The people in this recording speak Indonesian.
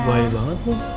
bahaya banget tuh